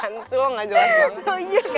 ansung gak jelas banget